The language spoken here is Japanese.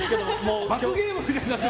罰ゲームみたいに。